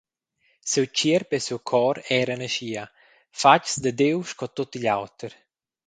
Siu tgierp e siu cor eran aschia, fatgs da Diu sco tut igl auter.